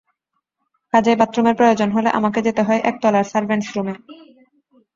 কাজেই বাথরুমের প্রয়োজন হলে আমাকে যেতে হয় একতলার সার্ভেন্টস বাথরুমে।